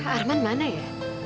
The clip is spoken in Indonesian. arman mana ya